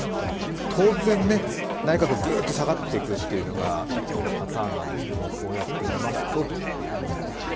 当然、内閣、ぐっと下がってくというのがいつものパターンなんですけれどもこうやって見ますと、ということですね。